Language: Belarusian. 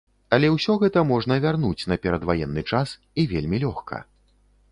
Але ўсё гэта можна вярнуць на перадваенны час, і вельмі лёгка.